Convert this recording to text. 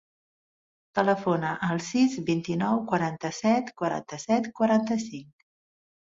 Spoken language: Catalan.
Telefona al sis, vint-i-nou, quaranta-set, quaranta-set, quaranta-cinc.